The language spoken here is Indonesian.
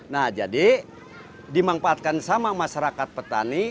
nah jadi dimanfaatkan sama masyarakat petani